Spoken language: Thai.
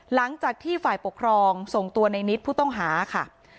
หลังจากที่ฝ่ายปกครองส่งตัวในนิดผู้ต้องหาค่ะ